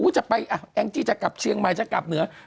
จะไปแองจีจะกลับเชียงมายจะกลับเหนือ